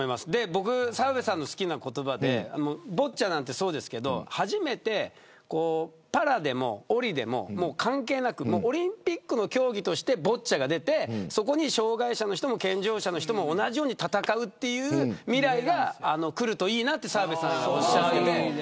僕、澤邊さんの好きな言葉でボッチャもそうですけれど初めてパラでもオリでも関係なくオリンピックの競技としてボッチャが出てそこに障害者の人も健常者の人も同じように戦うという未来がくるといいなと澤邊さんがおっしゃっていて。